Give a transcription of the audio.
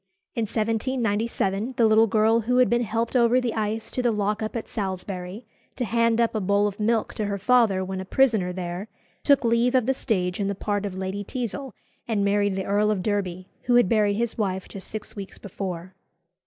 In 1797 the little girl who had been helped over the ice to the lock up at Salisbury, to hand up a bowl of milk to her father when a prisoner there, took leave of the stage in the part of Lady Teazle, and married the Earl of Derby, who had buried his wife just six weeks before.